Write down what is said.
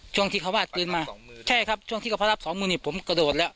ช่วงที่เขาวาดปืนมาใช่ครับช่วงที่เขารับสองมือนี่ผมกระโดดแล้ว